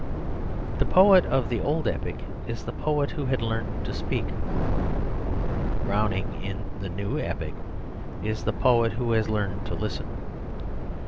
The poet of the old epic is the poet who had learnt to speak; Browning in the new epic is the poet who has learnt to listen.